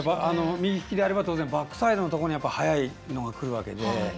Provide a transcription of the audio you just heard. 右利きであれば当然バックサイドのところに速いのがくるわけで。